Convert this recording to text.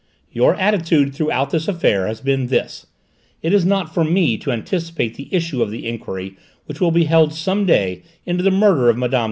Your attitude throughout this affair has been this: it is not for me to anticipate the issue of the enquiry which will be held some day into the murder of Mme.